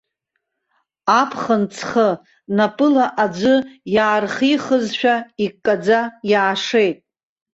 Аԥхын ҵхы напыла аӡәы иаархихызшәа иккаӡа иаашеит.